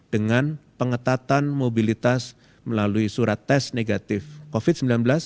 dengan pengetatan mobilitas melalui surat tes negatif covid sembilan belas